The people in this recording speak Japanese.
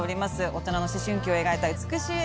大人の思春期を描いた美しい映画です。